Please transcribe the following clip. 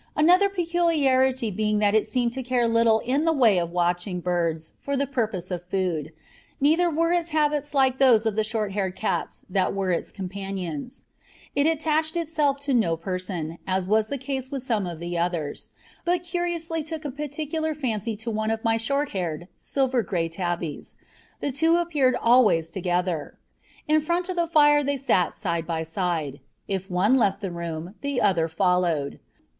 Another peculiarity being that it seemed to care little in the way of watching birds for the purpose of food, neither were its habits like those of the short haired cats that were its companions. It attached itself to no person, as was the case with some of the others, but curiously took a particular fancy to one of my short haired, silver gray tabbies; the two appeared always together. In front of the fire they sat side by side. If one left the room the other followed.